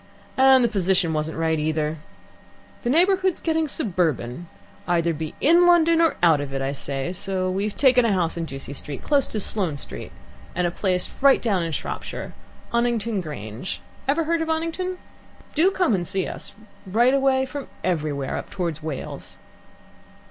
And the position wasn't right either. The neighbourhood's getting suburban. Either be in London or out of it, I say; so we've taken a house in Ducie Street, close to Sloane Street, and a place right down in Shropshire Oniton Grange. Ever heard of Oniton? Do come and see us right away from everywhere, up towards Wales.